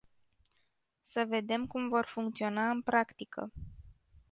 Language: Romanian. Să vedem cum vor funcționa în practică.